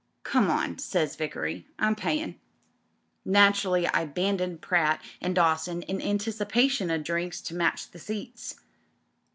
'Come on,' says Vickery, Tm payin'.' Naturally I abandoned Pratt and Dawson in anticipation o' drinks to match the seats.